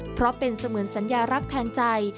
เพราะเป็นเสมือนสัญญารักษ์แทนใจ